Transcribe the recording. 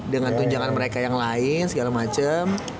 dengan tunjangan mereka yang lain segala macam